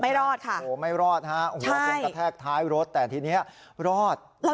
ไม่เลาะค่ะโหไม่เลาะครับถ้ายรถแต่ทีนี้เลาะ